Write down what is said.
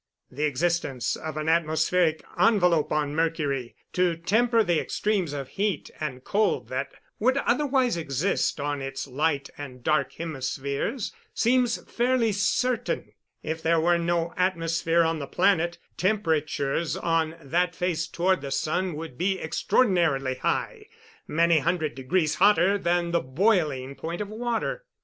The existence of an atmospheric envelope on Mercury, to temper the extremes of heat and cold that would otherwise exist on its light and dark hemispheres, seems fairly certain. If there were no atmosphere on the planet, temperatures on that face toward the sun would be extraordinarily high many hundred degrees hotter than the boiling point of water.